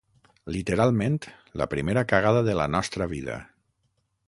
Literalment, la primera cagada de la nostra vida.